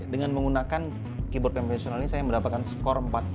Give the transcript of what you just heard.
dengan menggunakan keyboard konvensional ini saya mendapatkan skor empat puluh